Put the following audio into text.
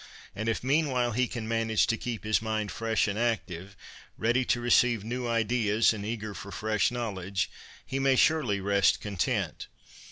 And if meanwhile he can manage to keep his mind fresh and active, ready to receive new ideas and eager for fresh knowledge, he may surely rest content.